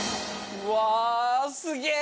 うわすげえ。